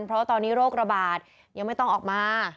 เพราะว่าตอนนี้โรคระบาดยังไม่ต้องออกมา